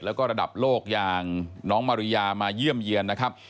แล้วก็ระดับโลกอย่างน้องมาริยามาเยี่ยมเยี่ยนนะครับ